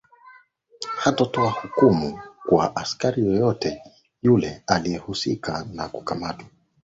Hatotoa hukumu kwa askari yoyote yule aliyehusika kwa kukamatwa